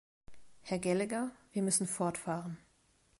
Herr Gallagher, wir müssen fortfahren.